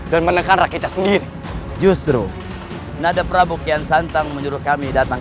dan menekan rakyat sendiri justru nada prabu kian santang menyuruh kami datang